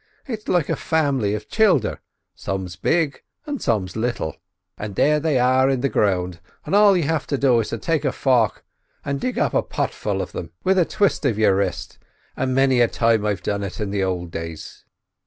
It's like a family of childer—some's big and some's little. But there they are in the ground, and all you have to do is to take a fark and dig a potful of them with a turn of your wrist, as many a time I've done it in the ould days."